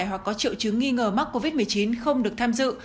hoặc có triệu chứng nghi ngờ mắc covid một mươi chín không được tham dự